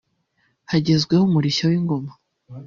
Hagezweho umurishyo w’ingoma